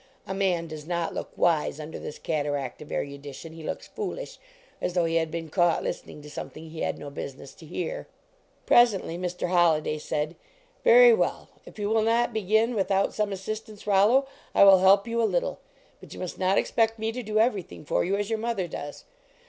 (A man does not look wise under this cataract of eru dition. He looks foolish, as though he had been caught listening to something he had no business to hear.) Presently Mr. Holliday said: " Very well; if you will not begin without 27 L LEARNING TO DRESS some assistance, Rollo, I will help you a little, but you must not expect me to do everything for you, as your mother does.